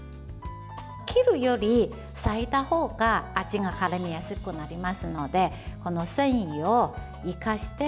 切るより裂いた方が味が、からみやすくなりますので繊維を生かして。